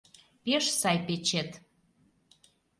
Пеш сай печет.